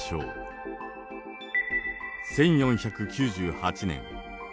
１４９８年。